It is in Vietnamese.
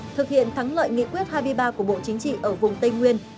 thực hiện thắng lợi nghị quyết hai mươi ba của bộ chính trị ở vùng tây nguyên